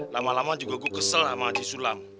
lama lama juga gue kesel sama haji sulam